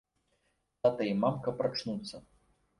Тата і мамка прачнуцца.